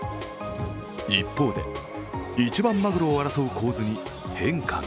一方で、一番まぐろを争う構図に変化が。